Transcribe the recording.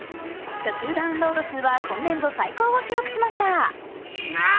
初週ダウンロード数は今年度最高を記録しました。